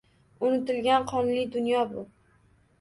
Unutilgan qonli dunyo bu